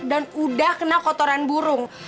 dan udah kena kotoran burung